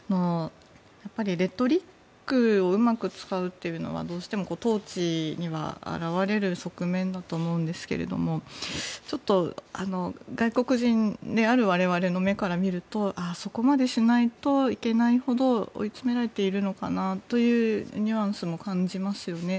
やっぱりレトリックをうまく使うというのはどうしても統治には表れる側面だと思うんですがちょっと外国人である我々の目から見るとそこまでしないといけないほど追い詰められているのかなというニュアンスも感じますよね。